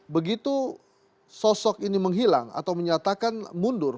begitu sosok ini menghilang atau menyatakan mundur